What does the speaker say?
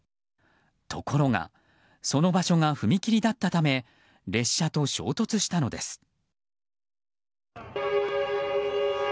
ところが、その場所が踏切だったため列車と衝突したのです。